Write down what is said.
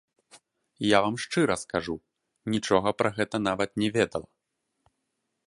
Я вам шчыра скажу, нічога пра гэта нават не ведала.